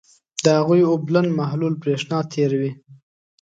د هغوي اوبلن محلول برېښنا تیروي.